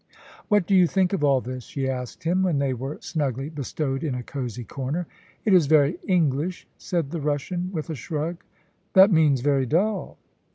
"What do you think of all this?" she asked him, when they were snugly bestowed in a cosy corner. "It is very English," said the Russian, with a shrug. "That means very dull!"